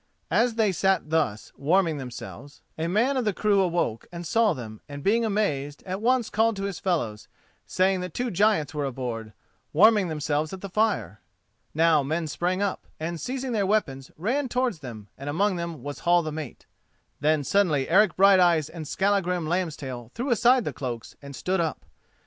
As they sat thus warming themselves, a man of the crew awoke and saw them, and being amazed, at once called to his fellows, saying that two giants were aboard, warming themselves at the fire. Now men sprang up, and, seizing their weapons, ran towards them, and among them was Hall the mate. Then suddenly Eric Brighteyes and Skallagrim Lambstail threw aside the cloaks and stood up.